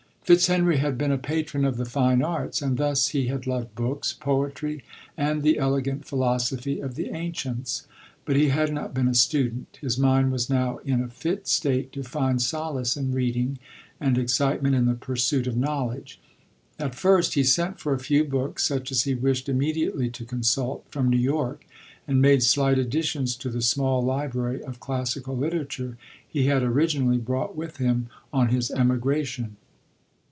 Fitzhenrv bad been a patron of the fine arts; and thus he had loved books, poetry, and the elegant philosophy of the ancients. Hut he had not been a student. His mind was now in a fit state to find solace in reading, and excite ment in the pursuit of knowledge. At first he sent for a few books, such as he wished imme diately to consult, from New York, and made slight additions to the small library of classical literature he had originally brought with him LODORE. 25 on his emigration.